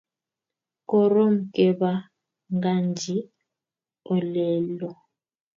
Korom kepanganji olelo